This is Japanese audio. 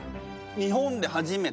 日本で初めて？